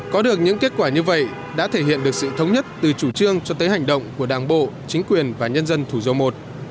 có được những kết quả như vậy đã thể hiện được sự thống nhất từ chủ trương cho tới hành động của đảng bộ chính quyền và nhân dân thủ dầu i